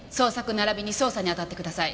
ならびに捜査に当たってください。